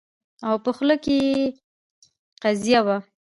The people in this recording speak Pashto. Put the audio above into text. او په خوله کې يې قیضه وي